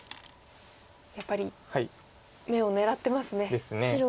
やっぱり眼を狙ってますね。ですね。